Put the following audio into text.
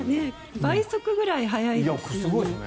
倍速ぐらい速いですよね。